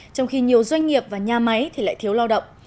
trong khi nhiều doanh nghiệp và nhà máy thì lại thiếu lao động